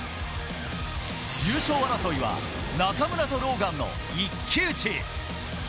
優勝争いは中村とローガンの一騎打ち。